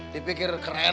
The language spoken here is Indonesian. dipikir keren apa itu